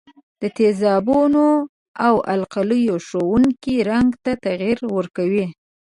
د تیزابونو او القلیو ښودونکي رنګ ته تغیر ورکوي.